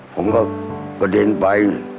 ผมก็กระเด็นไป